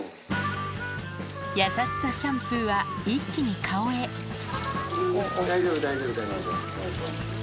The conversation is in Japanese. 優しさシャンプーは一気に顔大丈夫、大丈夫。